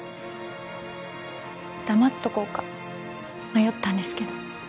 黙っとこうか迷ったんですけど。